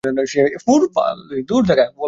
সে এর মাধ্যমে খ্যাতি এবং আনন্দ পাচ্ছে।